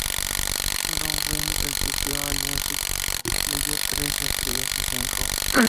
Ron Wynn del sitio Allmusic le dio tres estrellas de cinco.